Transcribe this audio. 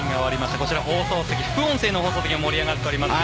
こちら副音声の放送席も盛り上がっています。